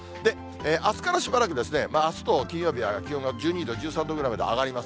あすからしばらくあすと金曜日は気温が１２度、１３度ぐらいまで上がります。